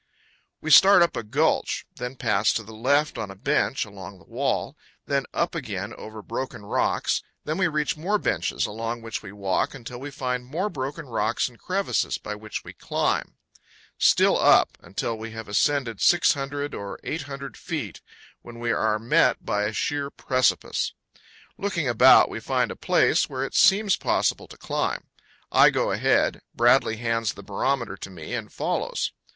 We start up a gulch; then pass to the left on a bench along the wall; then up again over broken rocks; then we reach more benches, along which we walk, until we find more broken rocks and crevices, by which we climb; still up, until we have ascended 600 or 800 feet, when we are met by a sheer precipice. Looking about, we find a place where it seems possible to climb. I go ahead; Bradley hands the barometer to me, and follows.